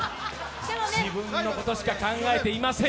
自分のことしか考えていません！